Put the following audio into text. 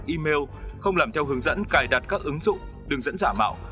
email không làm theo hướng dẫn cài đặt các ứng dụng đường dẫn giả mạo